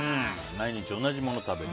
毎日同じもの食べる。